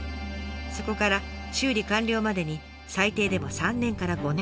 そこから修理完了までに最低でも３年から５年。